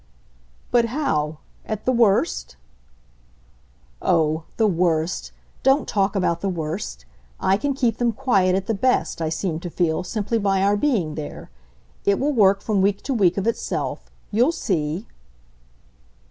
"But how at the worst?" "Oh, 'the worst' don't talk about the worst! I can keep them quiet at the best, I seem to feel, simply by our being there. It will work, from week to week, of itself. You'll see."